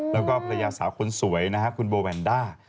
แล้วก็ภรรยาสาวคนสวยนะฮะคุณโบแวนด้า